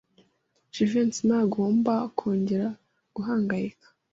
Jivency ntagomba kongera guhangayika.